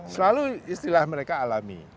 selalu istilah mereka alami